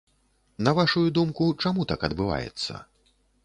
На вашую думку, чаму так адбываецца?